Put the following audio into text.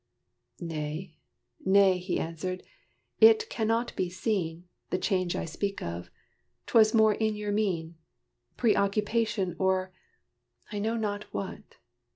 "Nay, nay!" he answered, "it can not be seen, The change I speak of 'twas more in your mien: Preoccupation, or I know not what!